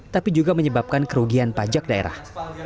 tapi juga menyebabkan kerugian pajak daerah